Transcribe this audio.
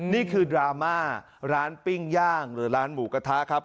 ดราม่าร้านปิ้งย่างหรือร้านหมูกระทะครับ